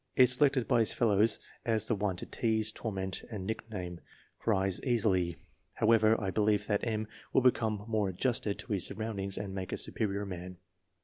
Is se lected by his fellows as the one to tease, torment, and nickname. Cries easily. "However, I believe that M. will become more adjusted to his surroundings and make a superior man."